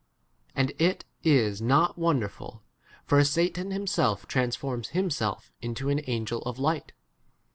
And [it is] not wonderful, ! for Satan himself transforms him i 15 self into an angel of light.